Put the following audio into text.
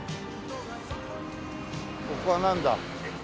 ここはなんだ？